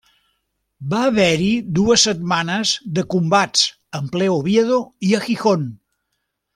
Va haver-hi dues setmanes de combats en ple Oviedo i a Gijón.